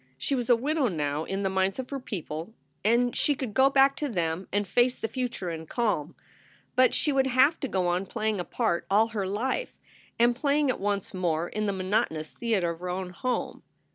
She was a widow now in the minds of her people and she could go back to them and face the future in calm. But, she would have to go on playing a part all her life and playing it once more in the monotonous theater of her own home.